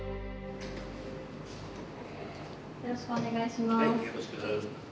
よろしくお願いします。